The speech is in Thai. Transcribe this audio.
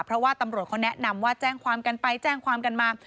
เพราะว่าตำรวจเขาแนะนำว่าแจ้งความกันไปแจ้งความกันมา